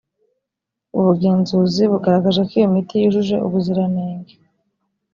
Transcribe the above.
ubugenzuzi bugaragaje ko iyo miti yujuje ubuziranenge